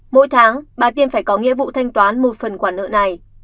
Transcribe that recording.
mỗi tháng bà tiên phải có nghĩa vụ thanh toán một năm tỷ đồng